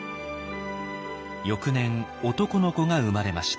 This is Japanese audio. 翌年男の子が生まれました。